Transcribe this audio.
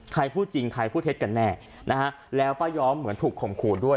ใครพูดจริงใครพูดเท็จกันแน่นะฮะแล้วป้าย้อมเหมือนถูกข่มขู่ด้วย